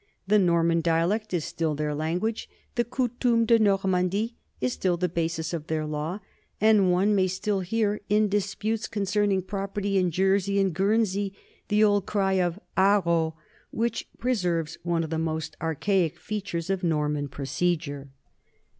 The Norman dialect is still their lan guage; the Coutume de Normandie is still the basis of their law; and one may still hear, in disputes concerning property in Jersey and Guernsey, the old cry of haro which preserves one of the most archaic features of Norman procedure.